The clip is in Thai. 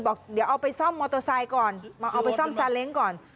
บอกเดี๋ยวเอาไปซ่อมมอเตอร์ไซค์ก่อนเอาไปซ่อมซาเล้งก่อน